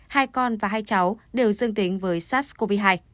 hai con và hai cháu đều dương tính với sars cov hai